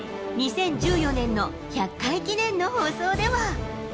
２０１４年の１００回記念の放送では。